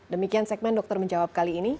demikian segmen dokter menjawab kali ini